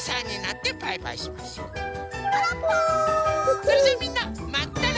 それじゃあみんなまたね！